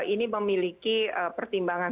ini memiliki pertimbangan